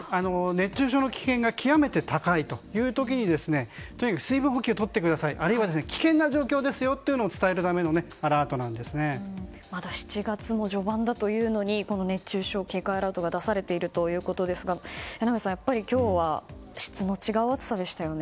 熱中症の危険が極めて高いという時にとにかく水分補給をとってくださいあるいは危険な状況ですよというのを７月も序盤だというのに熱中症警戒アラートが出されているということですが榎並さん、やっぱり今日は質の違う暑さでしたよね？